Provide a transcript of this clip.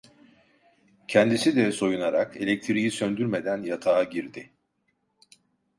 Kendisi de soyunarak elektriği söndürmeden yatağa girdi.